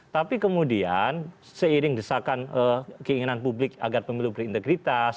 tapi kemudian seiring desakan keinginan publik agar pemilu berintegritas